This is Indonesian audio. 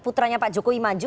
uteranya pak jokowi maju